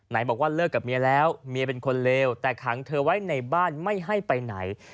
ไหนบอกว่าเลิกกับเมียแล้วเมียเป็นคนเลวแต่ขังเธอไว้ในบ้านไม่ให้ไปไหน